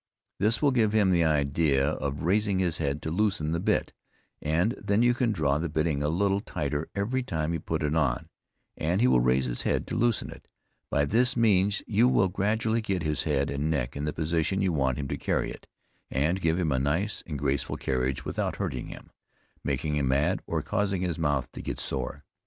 This will give him the idea of raising his head to loosen the bit, and then you can draw the bitting a little tighter every time you put it on, and he will still raise his head to loosen it; by this means you will gradually get his head and neck in the position you want him to carry it, and give him a nice and graceful carriage without hurting him, making him mad, or causing his mouth to get sore.